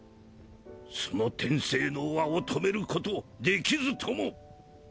その転生の輪を止めることできずとも。